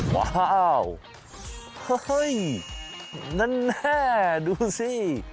ว้าวเฮ้ยแน่ดูสิ